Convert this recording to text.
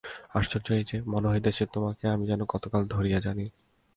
আশ্চর্য এই যে, মনে হইতেছে, তোমাকে আমি যেন কতকাল ধরিয়া জানি।